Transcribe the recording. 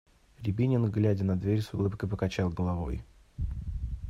Рябинин, глядя на дверь, с улыбкой покачал головой.